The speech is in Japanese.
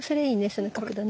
その角度ね。